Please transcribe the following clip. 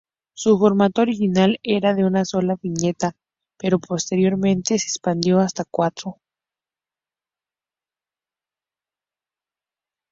Su formato original era de una sola viñeta, pero posteriormente se expandió hasta cuatro.